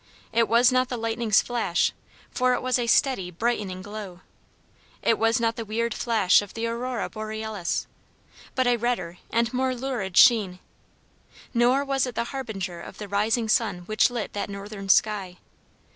It was not the lightning's flash, for it was a steady brightening glow. It was not the weird flash of the aurora borealis, but a redder and more lurid sheen; nor was it the harbinger of the rising sun which lit that northern sky.